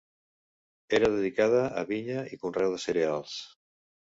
Era dedicada a vinya i conreu de cereals.